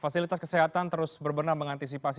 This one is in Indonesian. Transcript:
fasilitas kesehatan terus berbenam mengantisipasi